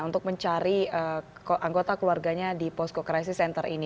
untuk mencari anggota keluarganya di posko crisis center ini